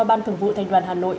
ban thường vụ thành đoàn hà nội